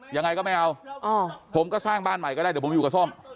ยังไงก็ไม่เอาผมก็สร้างบ้านใหม่ก็ได้เดี๋ยวผมอยู่กับส้ม